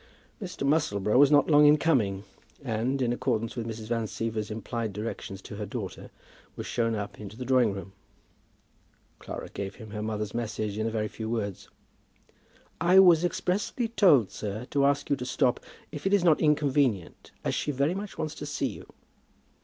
Mr. Musselboro was not long in coming, and, in accordance with Mrs. Van Siever's implied directions to her daughter, was shown up into the drawing room. Clara gave him her mother's message in a very few words. "I was expressly told, sir, to ask you to stop, if it is not inconvenient, as she very much wants to see you."